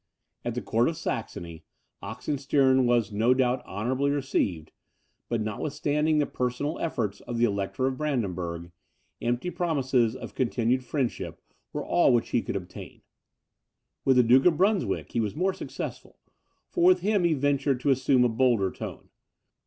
At the court of Saxony, Oxenstiern was no doubt honourably received; but, notwithstanding the personal efforts of the Elector of Brandenburg, empty promises of continued friendship were all which he could obtain. With the Duke of Brunswick he was more successful, for with him he ventured to assume a bolder tone.